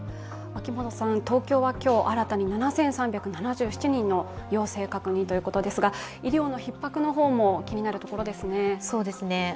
東京は今日新たに７３７７人陽性確認ということですが、医療のひっ迫の方も気になるところですね。